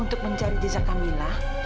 untuk mencari jejak kamila